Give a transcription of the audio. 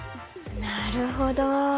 なるほど。